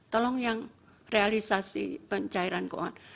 tolong yang realisasi pencairan keuangan